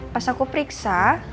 pas aku periksa